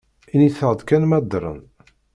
Init-aɣ-d kan ma ddren?